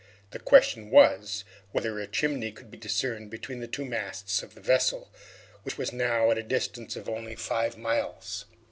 The question was, whether a chimney could be discerned between the two masts of the vessel, which was now at a distance of only five miles.